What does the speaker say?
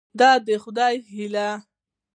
د خدای هيله